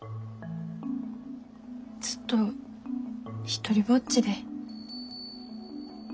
ずっと独りぼっちで。